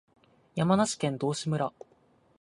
山梨県道志村